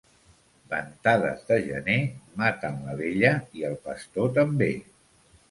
Ventades de gener maten la vella i el pastor també.